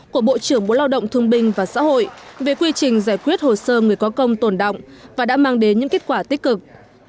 của bộ trưởng bộ lao động thương binh và xã hội về quy trình giải quyết hồ sơ người có công tồn động và đã mang đến những kết quả tích cực